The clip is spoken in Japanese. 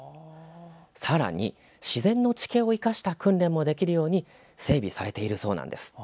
さらに、自然の地形を生かした訓練もできるように整備されているそうです。